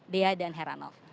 dea dan heranov